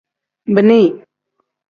Bini.